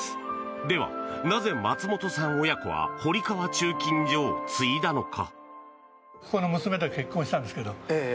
では、なぜ松本さん親子は堀川鋳金所を継いだのか。